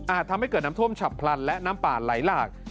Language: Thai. ทำให้เกิดน้ำท่วมฉับพลันและน้ำป่าไหลหลาก